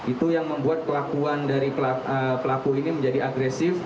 itu yang membuat pelakuan dari pelaku ini menjadi agresif